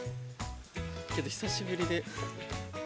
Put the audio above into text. ◆けど、久しぶりで。